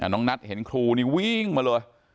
น้องนัทเห็นครูนี่วิ่งมาเลย